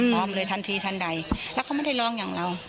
พร้อมเลยทันทีทันใดแล้วเขาไม่ได้ร้องอย่างเรา